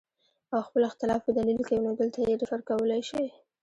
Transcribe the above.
او خپل اختلاف پۀ دليل کوي نو دلته ئې ريفر کولے شئ